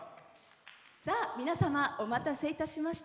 さあ、皆様お待たせいたしました。